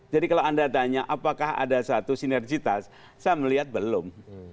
jadi kalau anda tanya apakah ada satu sinergitas saya melihat belum